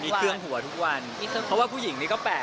มีเครื่องหัวทุกวันเพราะว่าผู้หญิงนี่ก็แปลก